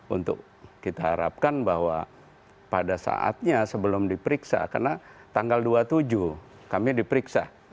untuk kita harapkan bahwa pada saatnya sebelum diperiksa karena tanggal dua puluh tujuh kami diperiksa